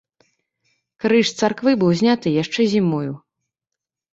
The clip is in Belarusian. Крыж з царквы быў зняты яшчэ зімою.